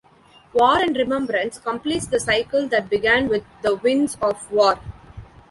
"War and Remembrance" completes the cycle that began with "The Winds of War".